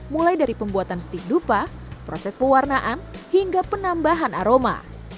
mulai dari pembuatan stik dupa proses pewarnaan hingga penambahan aroma